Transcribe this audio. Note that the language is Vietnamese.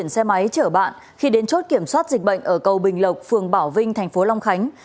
xin chào các bạn